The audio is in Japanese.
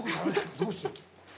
どうしよう。